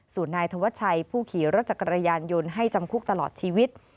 ส่วนนายธวัชชัยผู้ขี่รถจักรยานยนต์ให้จำคุกตลอดชีวิต